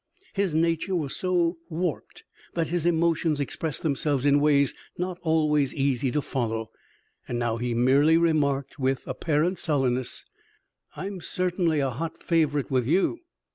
His nature was so warped that his emotions expressed themselves in ways not always easy to follow, and now he merely remarked, with apparent sullenness: "I'm certainly a hot favorite with you."